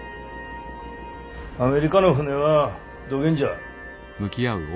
アメリカの船はどげんじゃ？